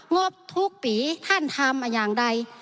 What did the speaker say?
งบทุกปีท่านทำอย่างใด